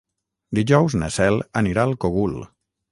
Dijous na Cel anirà al Cogul.